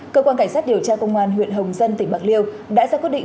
cơ quan cảnh sát điều tra công an huyện hồng dân tỉnh bạc liêu đã ra quyết định